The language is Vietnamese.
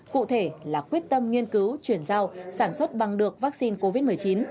cụ thể là quyết tâm nghiên cứu chuyển giao sản xuất bằng được vaccine covid một mươi chín